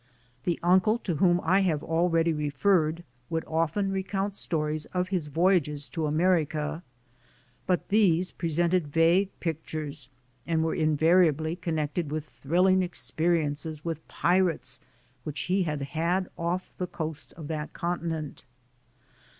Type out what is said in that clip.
The uncle to whom I have already referred would often recount stories of his voyages to America, but these presented vague pic tures and were invariably connected with thrilling experiences with pirates which he had had off the coast of that continent.